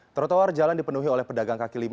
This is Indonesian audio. trotoar jalan dipenuhi oleh pedagang kaki lima